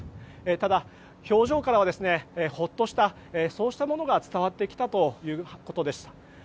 ただ、表情からはほっとした、そうしたものが伝わってきたということでした。